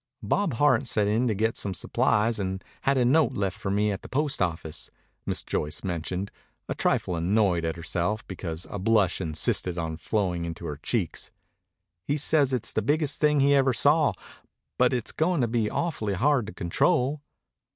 "Bob Hart sent in to get some supplies and had a note left for me at the post office," Miss Joyce mentioned, a trifle annoyed at herself because a blush insisted on flowing into her cheeks. "He says it's the biggest thing he ever saw, but it's going to be awf'ly hard to control.